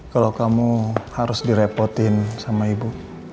kalau kamu harus direpotin sama ibu